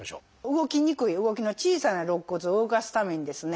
動きにくい動きの小さな肋骨を動かすためにですね